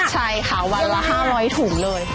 ใช่ค่ะวันละ๕๐๐ถุงเลย